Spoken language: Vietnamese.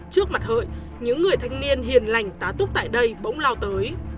trước mặt hợi những người thanh niên hiền lành tá túc tại đây bỗng lao tới